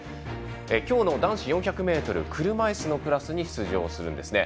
今日の男子４００ｍ車いすのクラスに出場するんですね。